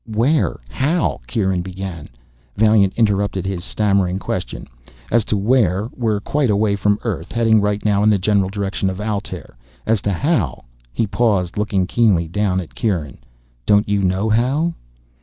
"Where how " Kieran began. Vaillant interrupted his stammering question. "As to where, we're quite a way from Earth, heading right now in the general direction of Altair. As to how " He paused, looking keenly down at Kieran. "Don't you know how?"